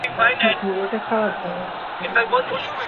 হামিদ ঢাকা বিশ্ববিদ্যালয়ের থেকে বাংলাতে মাস্টার্স সম্পন্ন করেছেন।